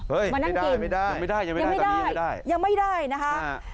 เฮ่ยไม่ได้ตอนนี้ยังไม่ได้ยังไม่ได้ยังไม่ได้นะคะ